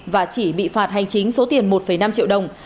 và chỉ bị phạt hành chính số tiền một năm triệu đồng